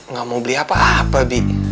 nggak mau beli apa apa bi